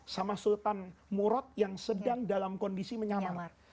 sama sultan murad yang sedang dalam kondisi menyamar